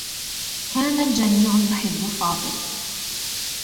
كان الجميع يحبّ فاضل.